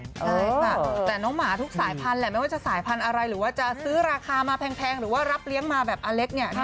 ใช่ค่ะแต่น้องหมาทุกสายพันธุ์แหละไม่ว่าจะสายพันธุ์อะไรหรือว่าจะซื้อราคามาแพงหรือว่ารับเลี้ยงมาแบบอเล็กเนี่ย